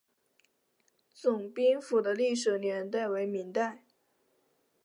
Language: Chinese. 总兵府的历史年代为明代。